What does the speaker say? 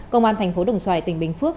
công an thành phố đồng xoài tỉnh bình phước